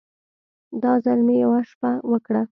دا ځل مې يوه شپه وکړه.